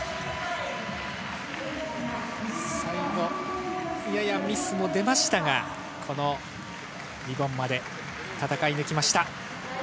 最後、ややミスも出ましたが、リボンまで戦い抜きました。